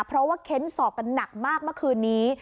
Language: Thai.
เพราะว่าเค้นสอบกันหนักมากเมื่อคืนนี้